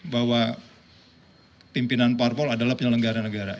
bahwa pimpinan parpol adalah penyelenggara negara